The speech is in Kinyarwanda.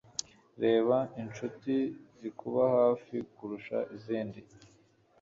Reba inshuti zikuba hafi kurusha izindi